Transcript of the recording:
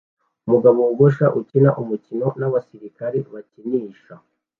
Umugabo wogosha ukina umukino nabasirikare bakinisha